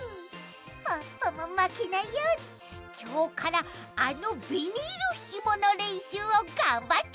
ポッポもまけないようにきょうからあのビニールひものれんしゅうをがんばっちゃいますよ！